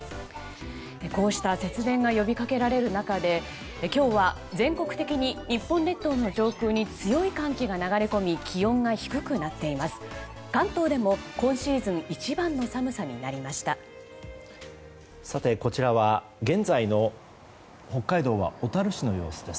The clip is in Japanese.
こうした節電が呼び掛けられる中で今日は、全国的に日本列島の上空に強い寒気が流れ込み気温が低くなっています。